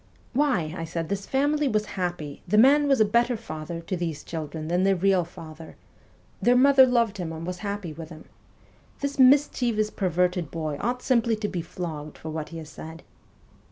" Why," I said, " this family was happy ; the man was a better father to these children than their real father, ... their mother loved him and was happy with him. ... This mischievous, perverted boy ought simply to be flogged for what he has said.